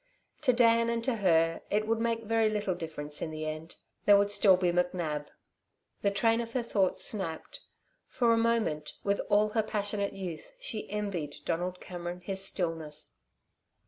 To Dan and to her it would make very little difference in the end. There would still be McNab. The train of her thought snapped. For a moment, with all her passionate youth, she envied Donald Cameron his stillness.